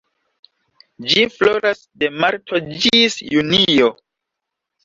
Ĝi floras de marto ĝis junio.